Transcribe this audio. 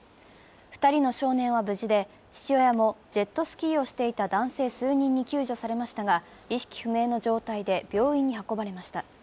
２人の少年は無事で、父親もジェットスキーをしていた男性数人に救助されましたが意識不明の状態で、病院に運ばれました。